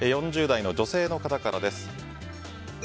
４０代の女性の方からです。